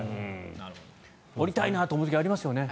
降りたいなと思う時ありますよね。